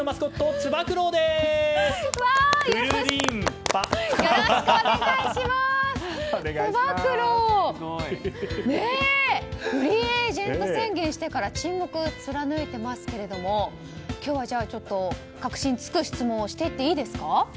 つば九郎フリーエージェント宣言してから沈黙貫いてますけれども今日は核心を突く質問をしていっていいですか？